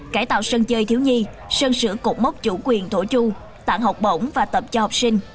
cải tạo sân chơi thiếu nhi sơn sửa cục mốc chủ quyền thổ chu tặng học bổng và tập cho học sinh